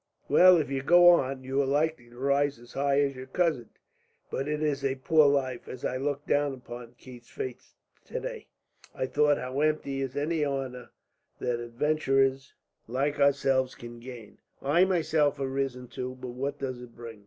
Well, if you go on, you are likely to rise as high as your cousin. But it is a poor life. As I looked down upon Keith's face today, I thought how empty is any honour that adventurers like ourselves can gain. I myself have risen too; but what does it bring?